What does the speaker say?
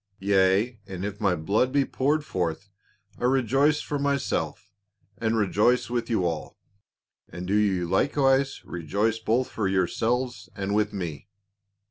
Yea, and if my blood be poured forth, I rejoice for myself, and rejoice with you all. And do ye likewise rejoice both for yourselves and with rile." "READY TO BE OFFERED."